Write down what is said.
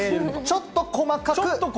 ちょっと細かく？